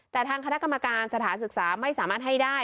แต่ทางคณะกรรมการสถานศึกษาไม่สามารถให้ได้